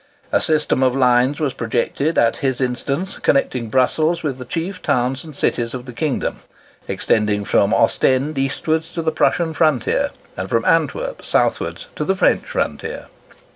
A system of lines was projected, at his instance, connecting Brussels with the chief towns and cities of the kingdom; extending from Ostend eastward to the Prussian frontier, and from Antwerp southward to the French frontier.